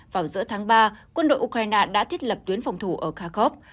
vào giữa tháng ba quân đội ukraine đã thiết lập tuyến phòng thủ ở kharkov